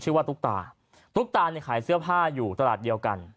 ตุ๊กตาตุ๊กตาเนี่ยขายเสื้อผ้าอยู่ตลาดเดียวกัน